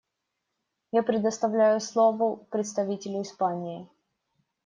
Я предоставляю слово представителю Испании.